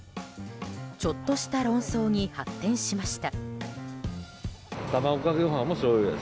ちょっとした論争に発展しました。